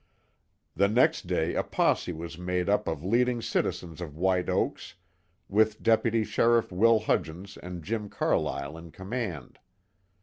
The next day a posse was made up of leading citizens of White Oaks with Deputy Sheriff Will Hudgens and Jim Carlyle in command.